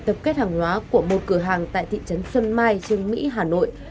tập kết hàng hóa của một cửa hàng tại thị trấn xuân mai trương mỹ hà nội